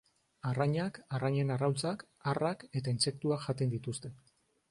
Arrainak, arrainen arrautzak, harrak eta intsektuak jaten dituzte.